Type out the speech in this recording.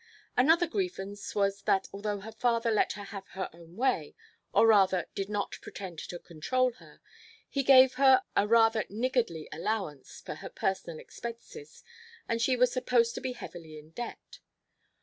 Another grievance was that although her father let her have her own way, or rather did not pretend to control her, he gave her a rather niggardly allowance for her personal expenses and she was supposed to be heavily in debt.